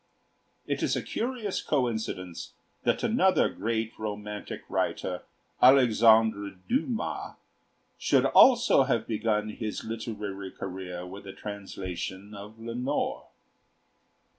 It is a curious coincidence that another great romantic writer, Alexandre Dumas, should also have begun his literary career with a translation of 'Lenore.'